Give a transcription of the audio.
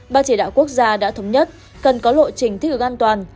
ban chỉ đạo quốc gia đã thống nhất cần có lộ trình thích ứng an toàn